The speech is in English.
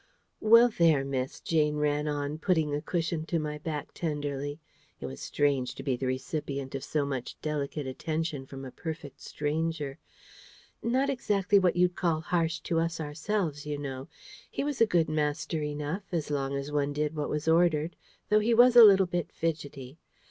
"Well, there, Miss," Jane ran on, putting a cushion to my back tenderly it was strange to be the recipient of so much delicate attention from a perfect stranger, "not exactly what you'd call harsh to us ourselves, you know: he was a good master enough, as long as one did what was ordered, though he was a little bit fidgetty.